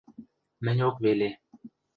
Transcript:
Мӹньок веле...